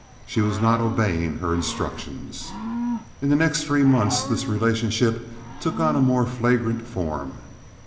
She was not obeying her instructions. In the next three months this relationship took on a more flagrant form.